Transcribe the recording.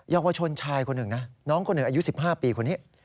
เยาวชนชายคนหนึ่งนะน้องคนหนึ่งอายุ๑๕ปีคนนี้